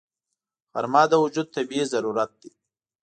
غرمه د وجود طبیعي ضرورت دی